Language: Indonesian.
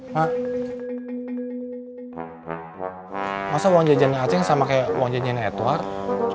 masa uang jajannya aceh sama kayak uang jajannya edward